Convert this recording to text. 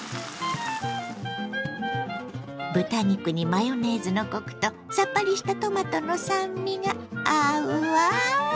豚肉にマヨネーズのコクとさっぱりしたトマトの酸味が合うわ。